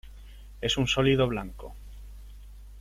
Es un sólido blanco.